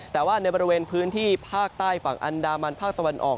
แต่ว่าในบริเวณพื้นที่ภาคใต้ฝั่งอันดามันภาคตะวันออก